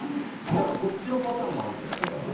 こっちのパターンもあるんじゃない？だから。